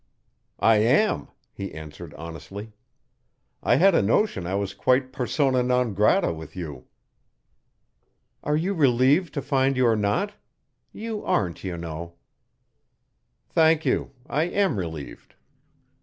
"I am," he answered honestly. "I had a notion I was quite persona non grata with you." "Are you relieved to find you are not? You aren't, you know." "Thank you. I am relieved."